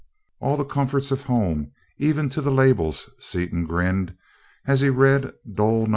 "All the comforts of home, even to the labels," Seaton grinned, as he read "Dole No.